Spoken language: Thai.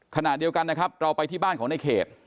ขณะเดียวกันนะครับเราไปที่บ้านของในเขต